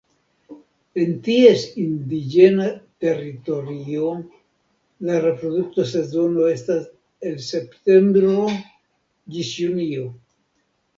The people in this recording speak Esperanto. En ties indiĝena teritorio la reprodukta sezono estas el septembro ĝis junio.